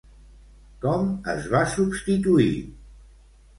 Com es va substituir?